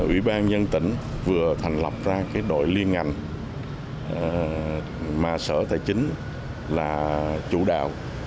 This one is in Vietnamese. ủy ban nhân tỉnh vừa thành lập ra đội liên ngành mà sở tài chính là chủ đạo